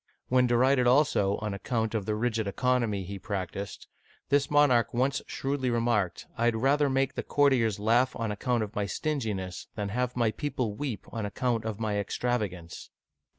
'* When derided, also, on account of the rigid economy he practiced, this monarch once shrewdly remarked, " I had rather make the court iers laugh on account of my stinginess, than have my people weep on account of my extravagance